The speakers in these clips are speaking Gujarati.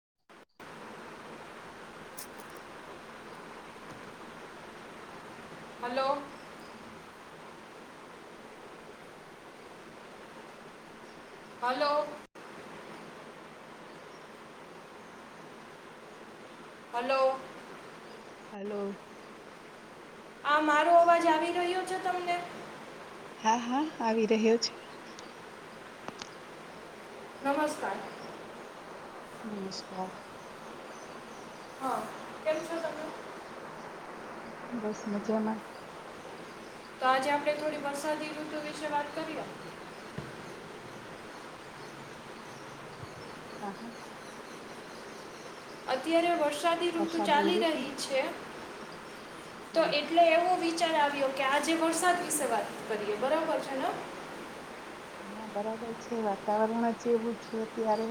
[inaudible] હલો. હલો. હલો. હલો. આ મારો અવાજ આવી રહ્યો છે તમને. હા હા આવી રહ્યો છે. નમસ્કાર. નમસ્કાર. હા કે છ તમે? બસ મજામાં. તો આજે આપડે થોડી વરસાદી ઋતુ વિશે વાત કરીએ. હા હા. અત્યારે વર્ષ સાદી ઋતુ વરસાદની ચાલી ઋતુ રહી છે. તો હા એટલે એવું વિ વિચાર આવ્યો કે આજે વરસાદ વિશે વાત કરીએ બરાબર છે ને. હા બરાબર છે વાતાવરણ જ એવું છે અત્યારે.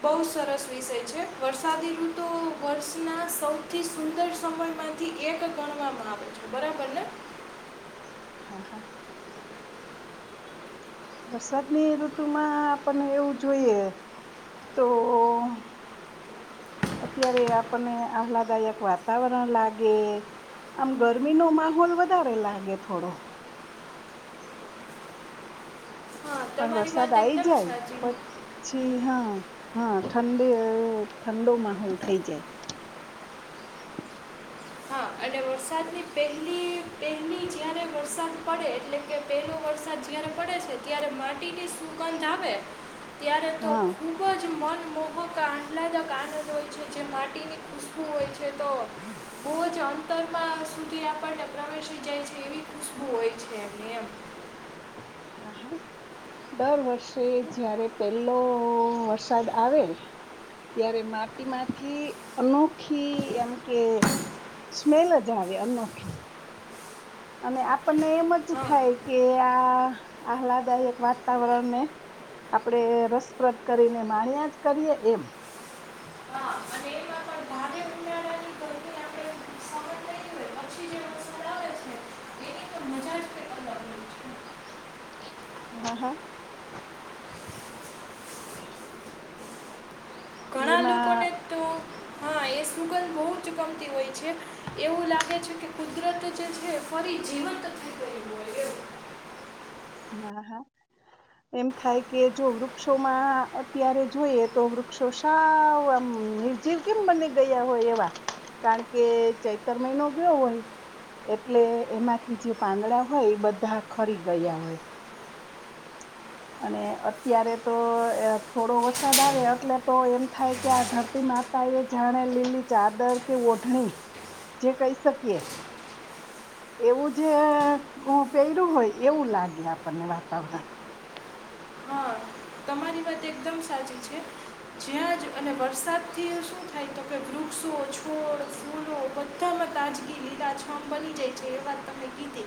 બહ સરસ વિષય છે વરસાદી ઋતુ વર્ષના સૌથી સુંદર સમયમાંથી એક ગણવામાં આવે છે બરાબર ને. હા હા. વરસાદની ઋતુમાં આપણને એવું જોઈએ, તો અત્યારે આપણને આહલાદાયક વાતાવરણ લાગે, આમ ગરમી નો માહોલ વધારે લાગે થોડો. હા પણ તમારી વરસાદ વાત આઈ એકદમ જાય, સાચી પછી હમ. હા. હા ઠંડી એ ઠંડો માહોલ થઇ જાય. હા અને વરસાદની પહેલી પહેલી જારે વરસાદ પડે એટલે કે પહેલો વરસાદ જારે પડે છે ત્યારે માટી સુગંધ આવે. ત્યારે તો હા ખૂબ જ મન મોહકા એટલાદાક આનંદ હોય છે જે માટીની ખુશ્બુ હોય છે. ખ તો ભૂલ અંતરમાં સુધી આપણને પ્રવેશી જાય છે એવી ખુશ્બુ હોય છે એમ. હા હા દર વર્ષે જયારે પેલો વરસાદ આવે, ત્યારે માટીમાંથી અનોખી એમ કે સ્મેલ જ આવે અનોખી. અને આપણને એમ જ હા થાય કે આ, આહલાદાયક વાતાવરણને, આપણેે રસપ્રદ કરીને માણ્યા જ કરીએ એમ. હા અને એમાં પણ ભારે ઉનાળાની ગરમી આપણે સહન નહીં હોય પછી જે વરસાદ આવે છે એની તો મજા જ કંઈક અલગ હોય છે હા હા. ઘણા એમાં લોકોને તો હા એ સુગંધ બહુ જ ગમતી હોય છે, એવું લાગે છે કે કુદરત જે છે ફરી જીવંત થઇ ગઈ એવું. હા હા એમ થાય કે જો વૃક્ષોમાં અત્યારે જોઈએ તો વૃક્ષો સાવમ નિર્જીવ કેમ બની ગયા હોય એવા કારણ કે ચૈતર મહિનો ગયો હોય એટલે એમાંથી જે પાંદડા હોય, એ બધા ખરી ગયા હોય. [inaudible] અને અત્યારે તો થોડો વરસાદ આવે એટલે તો એમ થાય કે આ ધરતી માતા એ જાણે લીલી ચાદર કે ઓઢણી, જે કહી શકીએ એવું જે પહેરું હોય, એવું લાગે આપણને વાતાવરણ. હા તમારી વાત એકદમ સાચી છે જ્યાં જ અને વરસાદથી શું થાય તો કે વૃક્ષો છોડ ફૂલો બધામાં ગાજગી લીલા છમ બની જાય છે એ વાત તમે કીધી,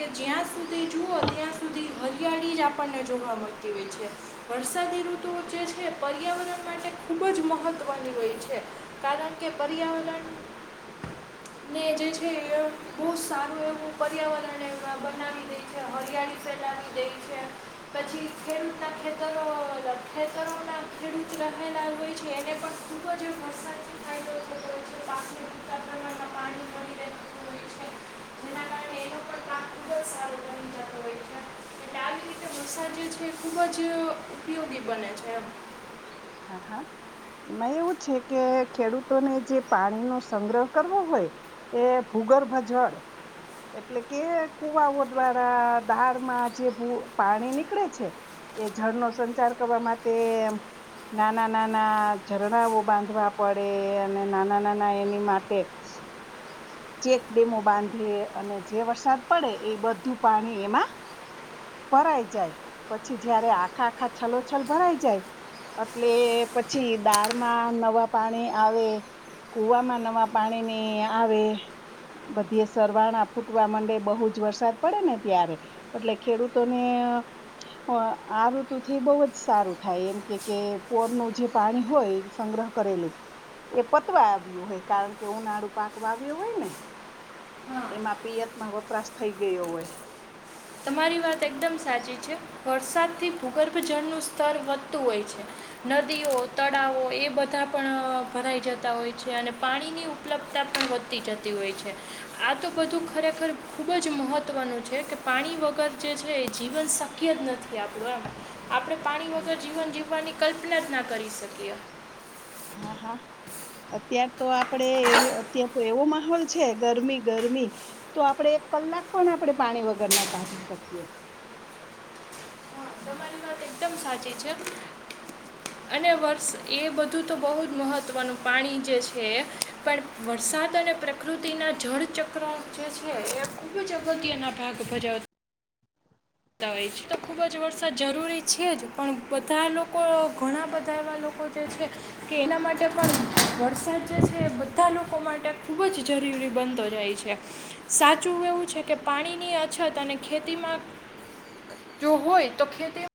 કે જ્યાં સુધી જુઓ ત્યાં સુધી હરિયાળી જ આપણને જોવા મળતી હોય છે. વરસાદી ઋતુ જે છે પર્યાવરણ માટે ખુબ જ મહત્વની હોય છે, કારણ કે પર્યાવરણને જે છે બહુ સારું એવું પર્યાવરણ એ બનાવી દે છે, હરિયાળી ચલાાવ દે છે, પછી ખેડૂત ખેત ખેતરોના ખેડૂત રહેલા હોય છે એને પણ ખૂબ જ વરસાદથી ફાયદો થતો હોય છે પાકને ઉૂતા પ્રમાં પાણી મળડી રહેતું હોય છે જેના કારણે એનો પણ પાક ખૂબ જ સારો બની જતો હોય છે એટલે આવી રીતે વરસાદ જે છે. ખૂબ જ ઉપયોગી બને છે એમ. હા હા એમાં એવું છે કે ખેડૂતોને જે પાણીનોો સંગ્રહ કરવો હોય એ ભૂગર્ભ જળ એટલે કે કુવાઓ દ્વારા દારમાં જે પાણી નીકળે છે એ જળનો સંચાર કરવા માટે નાના નાના ઝરણાઓ બાંધવા પડે અને નાના નાના એની માટે. ચેકડેમો બાંધે અને જે વરસાદ પડે એ બધું પાણી એમાં ભરાઈ જાય પછી જયારે આખા આખા છલોછલ ભરાઈ જાય એટલે પછી દાળમાં નવા પાણી આવે કુવામાં નવા પાણીને આવે. બધી સરવાણા ફૂટવા માંડે બહુ જ વરસાદ પડે ને ત્યારે એટલે ખેડૂતોને આ ઋતુ થી બહુ જ સારું થાય એમ કે કે પોરનું જે પાણી હોય સંગ્રહ કરેલું એ પતવા આવ્યું હોય, કારણ કે ઉનાળું પાક વાવ્યું. હોય ને, એમાં પિયતમાં વપરાશ થઈ ગયો હોય. તમારી વાત એકદમ સાચી છે, વરસાદથી ભૂગર્ભ જળનું સ્તર વધતું હોય છે, નદીઓ તળાવો એ બધા પણ ભરાઈ જતા હોય છે, અને પાણીની ઉપલબ્ધતા પણ વધતી જતી હોય છે, આ તો બધું ખરેખર ખૂબ જ મહત્વનું છે, કે પાણી વગર જે છે એ જીવન શક્ય જ નથી આપણું આમ. આપણે પાણી વગર જીવન જીવવાની કલ્પના જ ના કરી શકીએ. હા હા. અત્યાર તો આપડે અત્યાર તો એવો માહોલ છે ગરમી ગરમી, તો આપડે એક કલાક પણ આપણે પાણી વગર ના કાઢી શકીએ. તમારી વાત એકદમ સાચી છે, અને વર્ષ એ બધું તો બહુ જ મહત્ત્વનું પાણી જે છે એ, પણ વરસાદ અને પ્રકૃતિના જળ ચક્ર જે છે એ ખુબ જ અગત્યના ભાગ ભજાવતા હોય છે, તો ખુબ જ વરસાદ જરૂરી છે જ પણ બધા લોકો ઘણા બધા એવા લોકો જે છે કે એના માટે પણ વરસાદ જે છે, એ બધા લોકો માટે ખૂબ જ જરૂરી બનતો જાય છે, સાચું એવું છે કે પાણીની અછત અને ખેતીમાં જો હોય તો ખે તે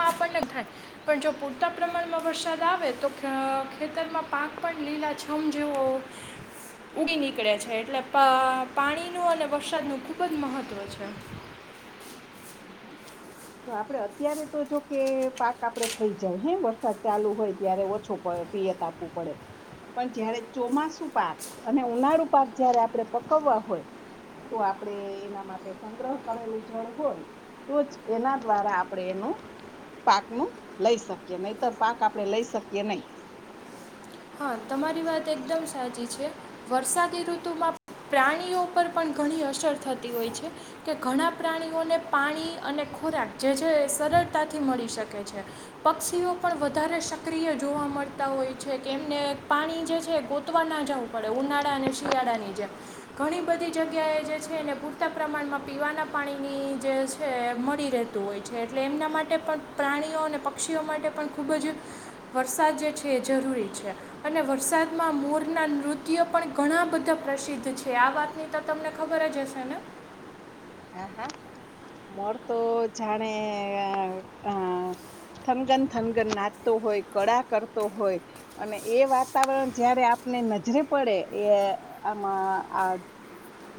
આપણને થાય પણ જો પૂરતા પ્રમાણમાં વરસાદ આવે તો ખેતરમાં પાક પણ લીલા છમ જેવો ઊડી નીકળે છે એટલે પાણીનું અને વરસાદનું ખૂબ જ મહત્ત્વ છે. તો આપડે અત્યારે તો જોકે પાક આપડે થઇ જાય હે, વરસાદ ચાલુ હોય ત્યારે ઓછો પિયત આપવું પડે પણ જયારે ચોમાસુ પાક અને ઉનાળુ પાક જયારે આપડણે પકવવા હોય તો આપડે એના માટે સંગ્રહ કરેલું હોય તો જ એના દ્વારા આપણે એનું પાકનું લઈ શકીએ, નહીતર પાક આપણે લઈ શકીએ નહી. હા તમારી વાત એકદમ સાચી છે. વરસાદી ઋતુમાં પ્રાણીઓ પર પણ ઘણી અસર થતી હોય છે. કે ઘણા પ્રાણીઓને પાણી અને ખોરાક જે છે સરળતાથી મળી શકે કે છે પક્ષીઓ પણ વધારે સક્રિય જોવા મળતા હોય છે કેમને પાણી જે છે એ ગોતવા ના જવું પડે ઉનાળા અને શિયાળાની જેમ ઘણી બધી જગ્યાએ જે છે એને પૂરતા પ્રમાણમાં પીવાના પાણીની જે છે મળી રહેતું હોય છે એટલે એમના માટે પણ પ્રાણીઓ અને પક્ષીઓ માટે પણ ખૂબ જ વરસાદ જે છે એ જરૂરી છે અને વરસાદમાં મોરનાં નૃત્યો પણ ઘણા બધા પ્રસિદ્ધ છે આ વાતની તો તમને ખબર જ હશે ને હા હા મોર તો જાણે આ થનગન થનગન નાચતો હોય કળા કરતો હોય અને એ વાતાવરણ જયારે આપને નજરે પડે એ આમાં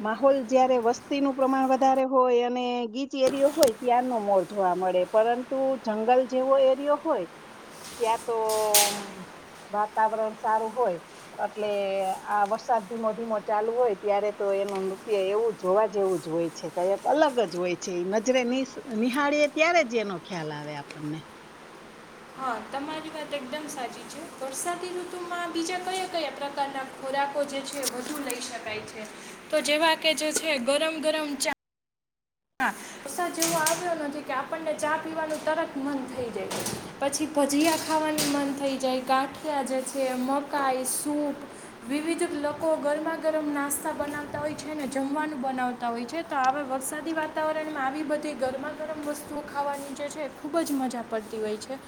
માહોલ જયારે વસ્તીનું પ્રમાણ વધારે હોય અને ગીચ એરિયો હોય ત્યાંનો મોર જોવા મળે. પરંતુ જંગલ જેવો એરિયો હોય ત્યાં તો વાતાવરણ સારું હોય. એટલે આ વરસાદ ધીમો ધીમો ચાલુ હોય ત્યારે તો એનું નૃત્ય એવું જોવા જેવું જ હોય છે. કંઈક અલગ જ હોય છે. એ નજરે નિહાળીએ ત્યારે જ એનો ખ્યાલ આવે આપણને. હા, તમારી વાત એકદમ સાચી છે. વરસાદી ઋતુમાં બીજા કયા કયા પ્રકારના ખોરાકો જે છે વધુ લઇ શકાય છે. તો જેવા કે જે છે ગરમ ગરમ ચા. હા વરસાદ જેવો આવ્યો નથી કે આપણને. ચા પીવાનું તરત મન થઈ જાય. પછી ભજીયા ખાવાનું મન થઈ જાય, ગાંઠિયા જે છે, મકાઈ, સૂપ-વિવિધ લોકો ગરમા ગરમ નાસ્તા બનાવતા હોય છે ને જમવાનું બનાવતા હોય છે. તો હવે વરસાદી વાત વાતાવરણમાં આવી બધી ગરમા ગરમ વસ્તુઓ ખાવાની જે છે ખૂબ જ મજા પડતી હોય છે,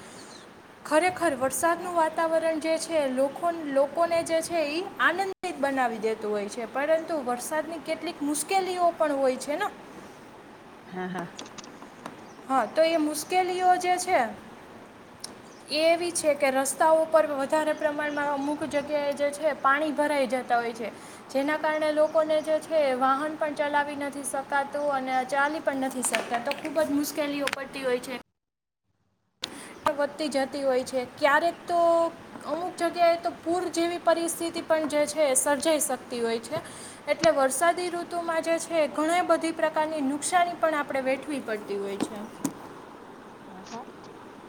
ખરેખર. ખર વરસાદનું વાતાવરણ જે છે, લોકો ખો લોકોને જે છે એ આનંદિત બનાવી દેતું હોય છે, પરંતુ વરસાદની કેટલીક મુશ્કેલીઓ પણ હોય છે ને. હા, હા. હા, તો એ મુશ્કેલીઓ જે છે એ એવી છે કે રસ્તાઓ પર વધારે પ્રમાણમાં અમુક જગ્યાએ જે છે પાણી ભરાઈ જતા હોય છે, જેના કારણે લોકોને જે છે વાહન પણ ચલાવી નથી શકાતું અને ચાલી પણ નથી શકતા, તો ખૂબ જ મુશ્કેલીનો મુશ્કેલીઓ પડતી હોય છે. વધતી જતી હોય છે. ક્યારેક તો અમુક જગ્યાએ તો પૂર જેવી પરિસ્થિતિ પણ જે છે સર્જાઈ શકતી હોય છે. એટલે વરસાદી ઋતુ ઋતુમાં જે છે ઘણી બધી પ્રકારની નુકસાની પણ આપણે વેઠવી પડતી હોય છે. હ,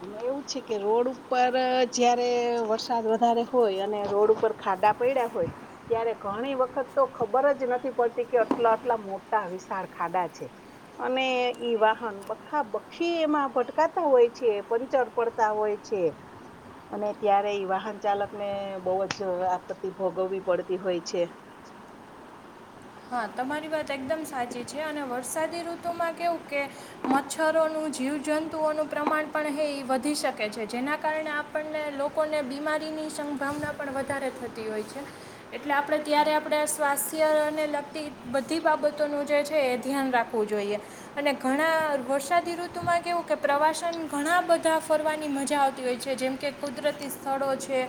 એમાં એવું છે કે રોડ ઉપર જયારે વરસાદ વધારે હોય અને રોડ ઉપર ખાડા પડ્યા હોય, ત્યારે ઘણી વખત તો ખબર જ નથી પડતી કે આટલા આટલા મોટા વિશાળ ખાડા છે, અને ઈ વાહન બખાબખી એમાં ફટકાતા હોય છે, પંચર પડતા હોય છે, અને ત્યારે એ વાહન ચાલકને બહ જ આપત્તિ ભોગવવી પડતી હોય છે. હા, તમારી વાત એકદમ સાચી છે, અને વરસાદી ઋતુમાં કેવું કે મચ્છરોનું, જીવજંતુઓનું પ્રમાણ પણ હે વધી શકે છે, જેના કારણે આપણને લોકોને બીમારીની સંભાવના પણ વધારે થતી હોય છે. એટલે, આપણે ત્યારે આપણે શ્વાસ ત્યારે અને બધી બાબતોનું જે છે, એ ધ્યાન રાખવું જોઈએ, અને ઘણા વરસાદી ઋતુમાં કેવું કે પ્રવાસન, ઘણા બધા ફરવાની મજા આવતી હોય છે, જેમ કે કુદરતી સ્થળો છે,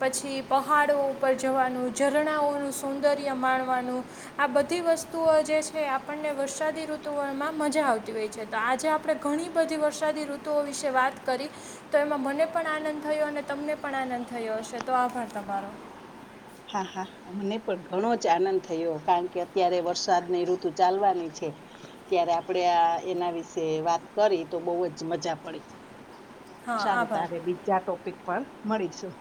પછી પહાડો ઉપર જવાનું, ઝરણાઓનું સૌંદર્ય માણવાનું. આ બધી વસ્તુઓ જે છે, એ આપણને વરસાદી ઋતુઓમાં મજા આવતી હોય છે. તો આજે આપણે ઘણી બધી વરસાદી ઋતુઓ વિશે વાત કરી, તો એમાં મને પણ આનંદ થયો, અને તમને પણ આનંદ થયો હશે. તો આભાર તમારો. હા હા, મને પણ ઘણો જ આનંદ થયો, કારણ કે અત્યારે વરસાદની ઋતુ ચાલવાની છે, ત્યારે આપડે આ એના વિશે વાત કરી, તો બહુ જ મજા પડી. હા સારું, આભાર તારે બીજા ટોપિક પર મળીશું.